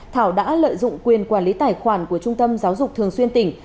thảo đã lợi dụng quyền quản lý tài khoản của trung tâm giáo dục thường xuyên tỉnh